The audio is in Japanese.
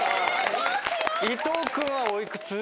伊藤君はお幾つ？